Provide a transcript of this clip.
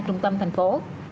trung tâm thành phố